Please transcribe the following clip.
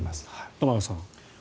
玉川さん。